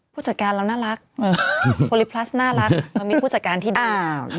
ผู้จัดการเราน่ารักโพลิพลัสน่ารักเรามีผู้จัดการที่ดี